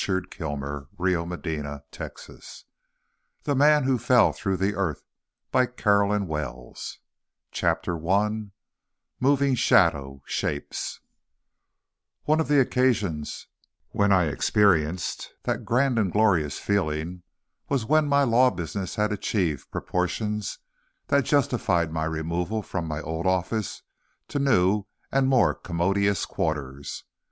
Zizi's Hunch 264 XVIII. Clear as Crystal 280 THE MAN WHO FELL THROUGH THE EARTH CHAPTER I Moving Shadow Shapes One of the occasions when I experienced "that grand and glorious feeling" was when my law business had achieved proportions that justified my removal from my old office to new and more commodious quarters.